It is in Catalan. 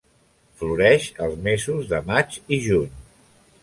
Floreix els mesos de maig i juny.